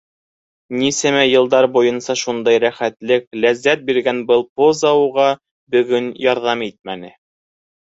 Нисәмә йылдар буйынса шундай рәхәтлек, ләззәт биргән был поза уға бөгөн ярҙам итмәне.